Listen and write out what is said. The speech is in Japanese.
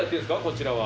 こちらは。